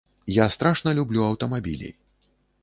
Я страшна люблю аўтамабілі.